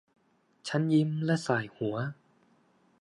ฉันยิ้มและส่ายหัว